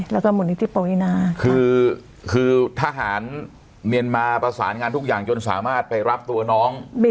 แล้วก็มูลนิธิปวีนาคือคือทหารเมียนมาประสานงานทุกอย่างจนสามารถไปรับตัวน้อง